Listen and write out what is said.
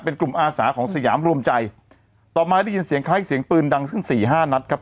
เป็นกลุ่มอาสาของสยามรวมใจต่อมาได้ยินเสียงคล้ายเสียงปืนดังขึ้นสี่ห้านัดครับ